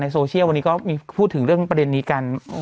โซเชียลวันนี้ก็มีพูดถึงเรื่องประเด็นนี้กัน